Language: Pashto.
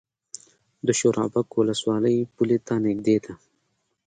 د شورابک ولسوالۍ پولې ته نږدې ده